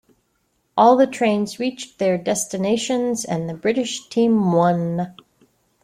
All the trains reached their destinations and the British team won.